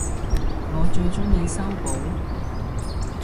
我最鍾意修補